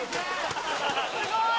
すごい。